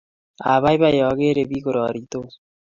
Apaipai akere piik kororitos